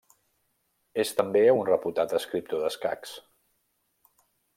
És també un reputat escriptor d'escacs.